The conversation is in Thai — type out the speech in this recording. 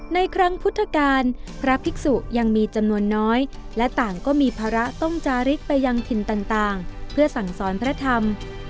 ในครั้งพุทธกาลพระภิกษุยังมีจำนวนน้อยและต่างก็มีภาระต้องจาริกไปยังถิ่นต่างเพื่อสั่งสอนพระธรรม